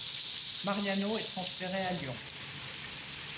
Mariano est transféré à Lyon.